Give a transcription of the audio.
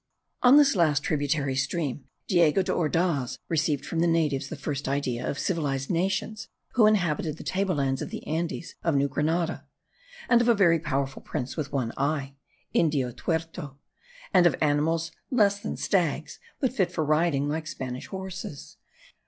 On this last tributary stream Diego de Ordaz received from the natives the first idea of civilized nations who inhabited the table lands of the Andes of New Granada; of a very powerful prince with one eye (Indio tuerto), and of animals less than stags, but fit for riding like Spanish horses.